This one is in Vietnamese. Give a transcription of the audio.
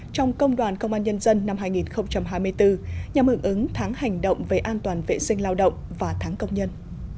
trong công đoàn công an nhân dân năm hai nghìn hai mươi bốn nhằm ứng ứng tháng hành động về an toàn vệ sinh lao động và tháng công nhân